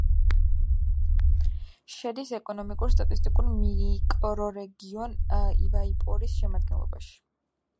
შედის ეკონომიკურ-სტატისტიკურ მიკრორეგიონ ივაიპორის შემადგენლობაში.